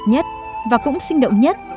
thực nhất và cũng sinh động nhất